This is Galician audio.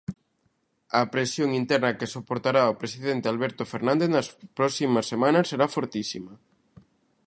A presión interna que soportará o presidente Alberto Fernández nas próximas semanas será fortísima.